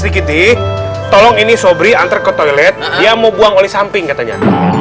sri kiti tolong ini sobri antar ke toilet dia mau buang oli samping katanya